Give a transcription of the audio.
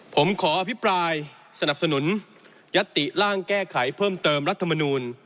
ผมขออภิปรายสนับสนุนยัตติร่างแก้ไขเพิ่มเติมรัฐมนูล